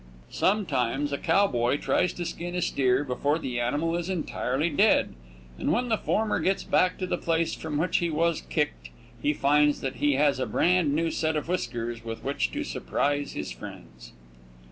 Sometimes a cowboy tries to skin a steer before the animal is entirely dead, and when the former gets back to the place from which he was kicked, he finds that he has a brand new set of whiskers with which to surprise his friends.